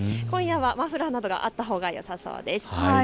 今夜はマフラーなどがあったほうがよさそうです。